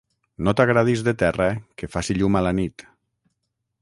No t'agradis de terra que faci llum a la nit.